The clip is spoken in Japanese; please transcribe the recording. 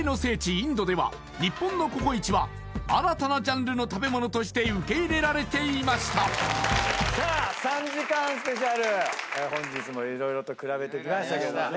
インドでは日本のココイチは新たなジャンルの食べ物として受け入れられていましたさあ３時間スペシャル本日も色々とくらべてみましたけどね